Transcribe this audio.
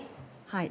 はい。